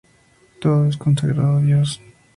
Todo es consagrado a Dios.